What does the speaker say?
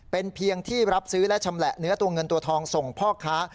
เป็นเพียงที่รับซื้อและชำแหละเนื้อตัวเงินตัวทองส่งพ่อค้า